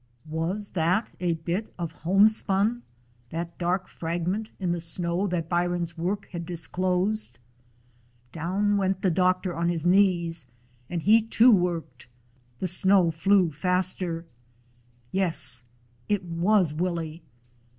Was that a bit of homespun, that dark frag ment in the snow that Byron's work had dis 147 DOG HEROES OF MANY LANDS closed? Down went the doctor on his knees, and he too worked. The snow flew faster. Yes, it was Willie!